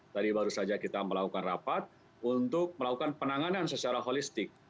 tadi baru saja kita melakukan rapat untuk melakukan penanganan secara holistik